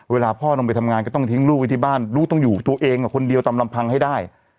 เวลาพ่อลงไปทำงานก็ต้องทิ้งลูกไว้ที่บ้านลูกต้องอยู่ตัวเองคนเดียวตามลำพังให้ได้